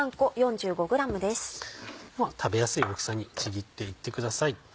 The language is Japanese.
食べやすい大きさにちぎっていってください。